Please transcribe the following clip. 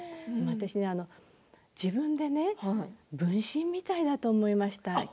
私ね、自分でね分身みたいだなと思いました。